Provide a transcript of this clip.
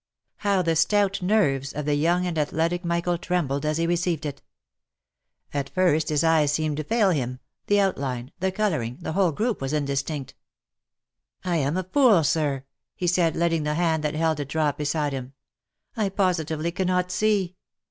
How the stout nerves of the young and athletic Michael trembled as he received it ! At first his eyes seemed to fail him, the outline, the colouring, the whole group was indistinct. " I am a fool, sir !" he said, letting the hand that held it drop beside him ;" I positively cannot see."